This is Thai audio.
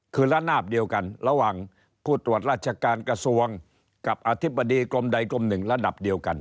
คือระนาบเดียวกันระหว่างผู้ตรวจราชการกระทรวงกับอธิบดีกรมใดกรมหนึ่งระดับเดียวกัน